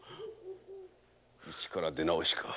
一から出直しか。